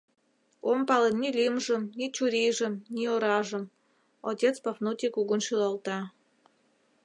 — Ом пале ни лӱмжым, ни чурийжым, ни оражым, — отец Пафнутий кугун шӱлалта.